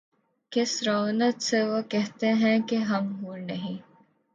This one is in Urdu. کس رعونت سے وہ کہتے ہیں کہ ’’ ہم حور نہیں ‘‘